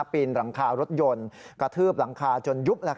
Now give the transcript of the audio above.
ปีนหลังคารถยนต์กระทืบหลังคาจนยุบ